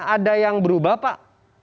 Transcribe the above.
ada yang berubah pak